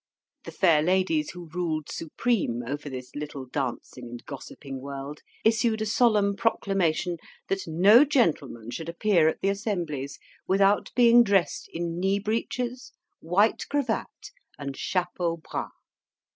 The fair ladies who ruled supreme over this little dancing and gossiping world, issued a solemn proclamation that no gentleman should appear at the assemblies without being dressed in knee breeches, white cravat, and chapeau bras.